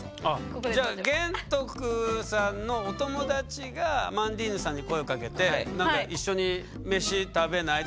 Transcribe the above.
じゃあ玄徳さんのお友達がアマンディーヌさんに声をかけて「一緒に飯食べない？」